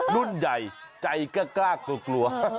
รุ่นใหญ่ใจก็กล้ากลัว